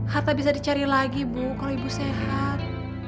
harta bisa dicari lagi bu kalau ibu sehat